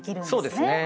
そうですね。